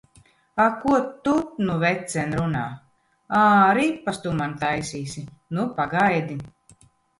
A, ko tu nu, vecen, runā! Ā, ripas tu man taisīsi! Nu pagaidi!